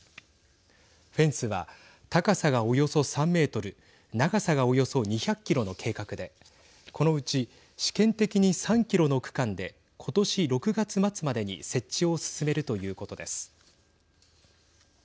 フェンスは高さがおよそ３メートル長さがおよそ２００キロの計画でこのうち試験的に３キロの区間で今年６月末までに設置を進めるということです。